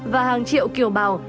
và hàng triệu kiều bào